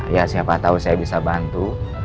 ya siapa tahu saya bisa bantu